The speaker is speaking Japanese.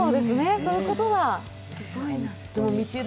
そういうことだ、すごいな。